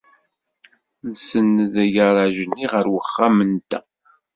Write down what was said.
Nsenned agaṛaj-nni ɣer wexxam-nteɣ.